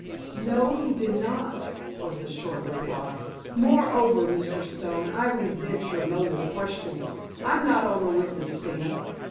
"No, he did not," was the short reply. "Moreover, Mr. Stone, I resent your mode of questioning. I'm not on the witness stand.